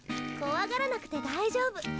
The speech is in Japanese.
怖がらなくて大丈夫。